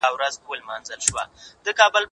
زه کولای سم تمرين وکړم